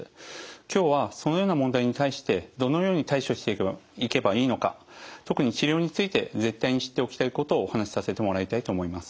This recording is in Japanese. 今日はそのような問題に対してどのように対処していけばいいのか特に治療について絶対に知っておきたいことをお話しさせてもらいたいと思います。